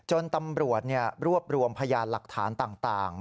ตำรวจรวบรวมพยานหลักฐานต่าง